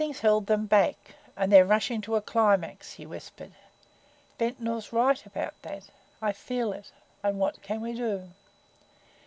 W.T.G. "Something's held them back and they're rushing to a climax," he whispered. "Ventnor's right about that I feel it. And what can we do?"